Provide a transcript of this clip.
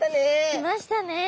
来ましたね。